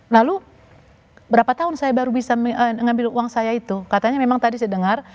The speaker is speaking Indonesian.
lalu berapa tahun saya baru bisa mengambil uang saya itu katanya memang tadi saya dengar